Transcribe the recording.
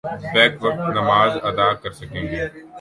back وقت نماز ادا کر سکیں گے